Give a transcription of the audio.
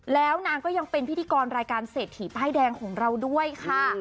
แล้วนางก็ยังเป็นพิธีกรรายการเศรษฐีป้ายแดงของเราด้วยค่ะ